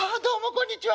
「こんにちは。